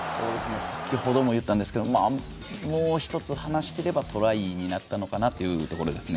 先程も言いましたけどもう１つ、離していればトライになったのかなというところですね。